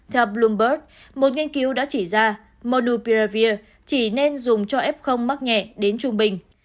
theo bloomberg một nghiên cứu đã chỉ ra monopiravir chỉ nên dùng cho f mắc nhẹ đến trung bình